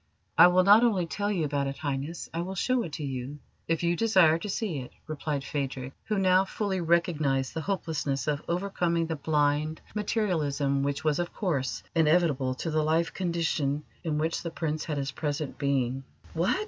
"I will not only tell you about it, Highness, I will show it to you, if you desire to see it," replied Phadrig, who now fully recognised the hopelessness of overcoming the blind materialism which was, of course, inevitable to the life condition in which the Prince had his present being. "What!